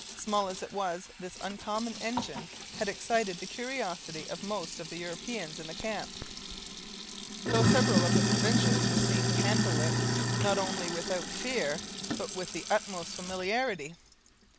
Small as it was, this uncommon engine had excited the curiosity of most of the Europeans in the camp, though several of the provincials were seen to handle it, not only without fear, but with the utmost familiarity.